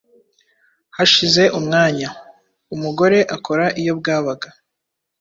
Hashize umwanya, umugore akora iyo bwabaga,